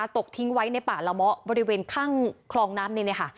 ตกทิ้งไว้ในป่าละเมาะบริเวณข้างคลองน้ำนี่นะคะ